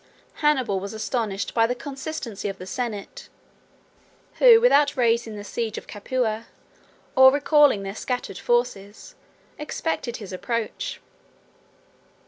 Hannibal was astonished by the constancy of the senate, who, without raising the siege of Capua, or recalling their scattered forces, expected his approach.